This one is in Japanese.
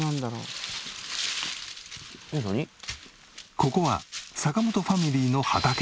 ここは坂本ファミリーの畑。